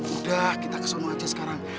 udah kita keselamu aja sekarang